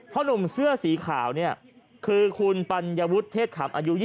หนุ่มเสื้อสีขาวเนี่ยคือคุณปัญวุฒิเทศขำอายุ๒๐